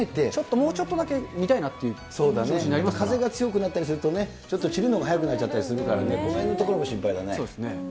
もうちょっとだけ見たいなっ風が強くなったりするとね、ちょっと散るのが早くなっちゃったりするからね、そこのところもそうですね。